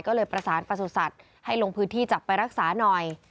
ก็เลยประสานประสุทธิ์ให้ลงพื้นที่จับไปรักษาหน่อย